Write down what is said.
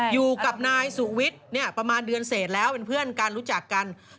อยู่กับนายสุวิทย์เนี่ยประมาณเดือนเศษแล้วเป็นเพื่อนกันรู้จักกัน